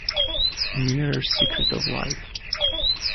Nearer Secret of Life.